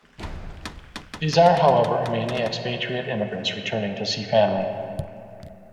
These are however mainly expatriate immigrants returning to see family.